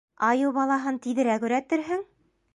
Айыу балаһын тиҙерәк өйрәтерһең!